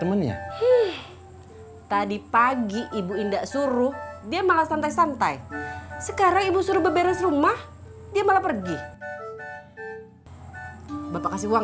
wah terima kasih lagi kang